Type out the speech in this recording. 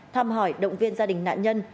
thăm hỏi động viên gia đình nạn nhân